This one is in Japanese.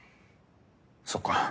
そっか。